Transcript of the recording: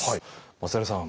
松平さん